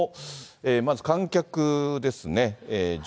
まず観客ですね。